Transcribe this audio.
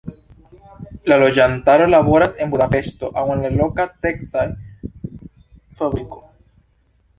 La loĝantaro laboras en Budapeŝto, aŭ en la loka teksaĵ-fabriko.